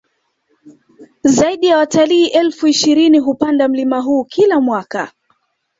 Zaidi ya watalii elfu ishirini hupanda mlima huu kila mwaka